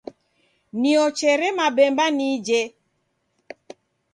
Niochere mabemba nije.